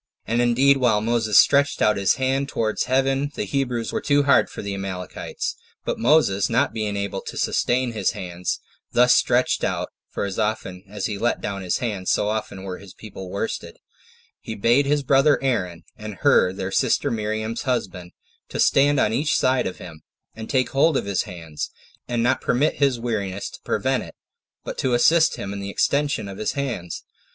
And indeed while Moses stretched out his hand towards heaven 7 the Hebrews were too hard for the Amalekites: but Moses not being able to sustain his hands thus stretched out, [for as often as he let down his hands, so often were his own people worsted,] he bade his brother Aaron, and Hur their sister Miriam's husband, to stand on each side of him, and take hold of his hands, and not permit his weariness to prevent it, but to assist him in the extension of his hands.